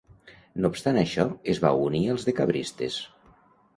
No obstant això, es va unir als decabristes.